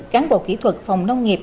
cáng bộ kỹ thuật phòng nông nghiệp